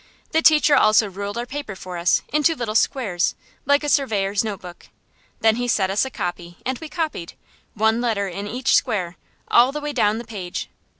The teacher also ruled our paper for us, into little squares, like a surveyor's notebook. Then he set us a copy, and we copied, one letter in each square, all the way down the page.